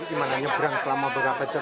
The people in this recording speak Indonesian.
gimana nyebrang selama beberapa jam